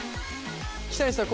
北西さん